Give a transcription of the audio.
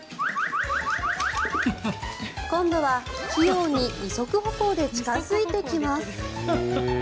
今度は器用に二足歩行で近付いてきます。